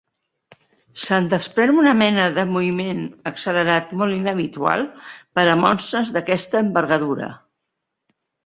Se'n desprèn una mena de moviment accelerat molt inhabitual per a monstres d'aquesta envergadura.